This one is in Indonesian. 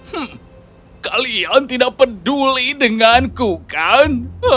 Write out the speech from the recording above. hmm kalian tidak peduli denganku kan